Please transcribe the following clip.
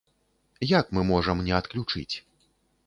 Як мы можам не адключыць?